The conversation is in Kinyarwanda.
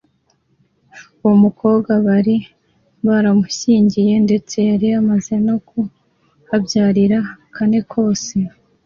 uwomukobwa, bari baramushyingiye, ndetse yari amaze no kuhabyarira kane kose